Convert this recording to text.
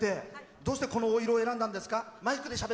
どうして、このお色を選んだんですか？